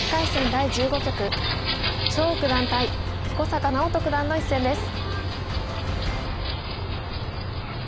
第１５局張栩九段対彦坂直人九段の一戦です。